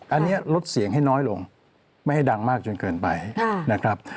อันนี้ลดเสียงให้น้อยลงไม่ให้ดังมากจนเกินไปนะครับ